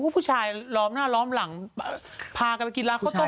ไปไหมแอนกจี